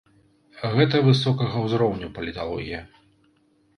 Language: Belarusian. Гэта высокага ўзроўню паліталогія.